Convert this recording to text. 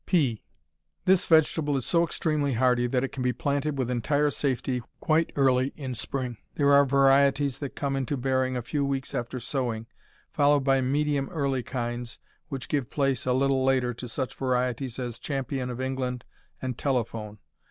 Pea This vegetable is so extremely hardy that it can be planted with entire safety quite early in spring. There are varieties that come into bearing a few weeks after sowing, followed by medium early kinds, which give place, a little later, to such varieties as Champion of England and Telephone.